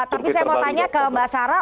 tapi saya mau tanya ke mbak sarah